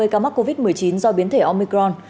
hai mươi ca mắc covid một mươi chín do biến thể omicron